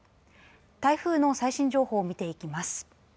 台風の最新情報を見ていきます。